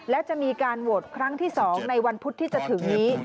และจะมีการโหวตครั้งที่๒ในวันพุธที่จะถึงนี้